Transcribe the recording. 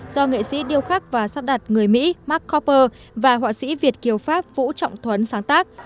do nghệ sĩ điêu khắc và sắp đặt người mỹ mark copper và họa sĩ việt kiều pháp vũ trọng thuấn sáng tác